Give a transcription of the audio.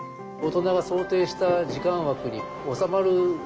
大人が想定した時間枠に収まる